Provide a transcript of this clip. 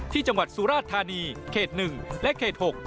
จังหวัดสุราชธานีเขต๑และเขต๖